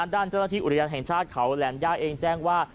ด้านเจ้าหน้าที่อุทยานแห่งชาติเขาแหลมย่าเองแจ้งว่า